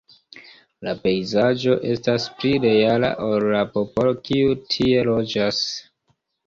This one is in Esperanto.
La pejzaĝo “estas pli reala ol la popolo kiu tie loĝas.